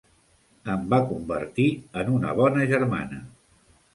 Em va convertir en una bona germana.